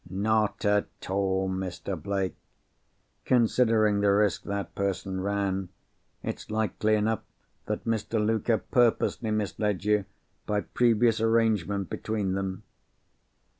"Not at all, Mr. Blake. Considering the risk that person ran, it's likely enough that Mr. Luker purposely misled you, by previous arrangement between them."